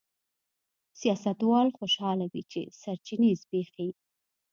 سیاستوال خوشاله وي چې سرچینې زبېښي.